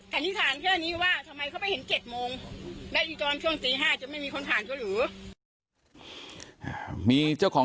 ธรรมิฐานแค่นี้ว่าทำไมเขาไปเห็น๗โมง